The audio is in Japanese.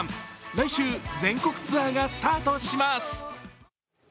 来週、全国ツアーがスタートします。